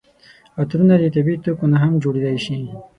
عطرونه د طبیعي توکو نه هم جوړیدای شي.